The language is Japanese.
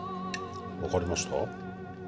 分かりました？